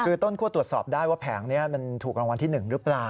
คือต้นคั่วตรวจสอบได้ว่าแผงนี้มันถูกรางวัลที่๑หรือเปล่า